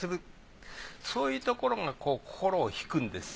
そういうところが心を惹くんです。